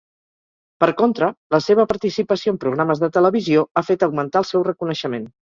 Per contra, la seva participació en programes de televisió ha fet augmentar el seu reconeixement.